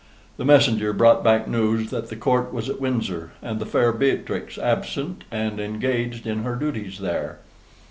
The messenger brought back news that the Court was at Windsor, and the fair Beatrix absent and engaged in her duties there.